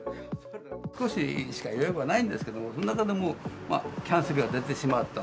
少ししか予約はないんですけれども、その中でもキャンセルは出てしまった。